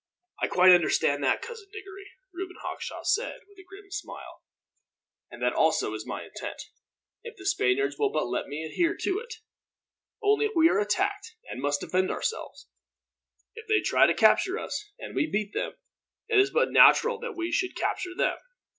"I quite understand that, Cousin Diggory," Reuben Hawkshaw said, with a grim smile; "and that also is my intent, if the Spaniards will but let me adhere to it; only if we are attacked, we must defend ourselves. If they try to capture us, and we beat them, it is but natural that we should capture them."